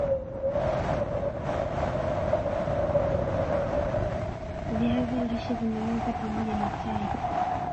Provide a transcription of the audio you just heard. viazi lishe Vinaweza pamoja na chai